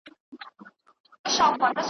په قفس کي مي زړه شین دی له پردیو پسرلیو .